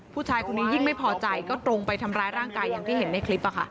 ผู้ชายคนนี้ยิ่งไม่พอใจก็ตรงไปทำร้ายร่างกายอย่างที่เห็นในคลิป